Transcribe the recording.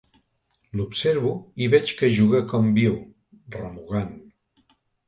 L'observo i veig que juga com viu, remugant.